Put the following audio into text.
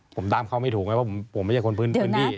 ผมตามเขาไม่ถูกไงว่าผมไม่ใช่คนพื้นที่